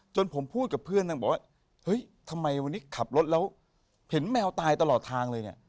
ผมพูดกับเพื่อนนางบอกว่าเฮ้ยทำไมวันนี้ขับรถแล้วเห็นแมวตายตลอดทางเลยเนี่ย